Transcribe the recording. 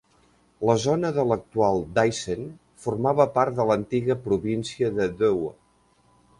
La zona de l'actual Daisen formava part de l'antiga província de Dewa.